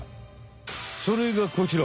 それがこちら。